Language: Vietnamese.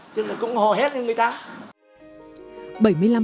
tức là cũng hò hét lên người ta